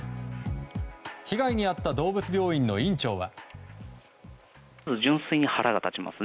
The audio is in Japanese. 被害に遭った動物病院の院長は。